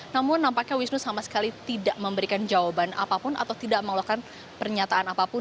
namun nampaknya wisnu sama sekali tidak memberikan jawaban apapun atau tidak mengeluarkan pernyataan apapun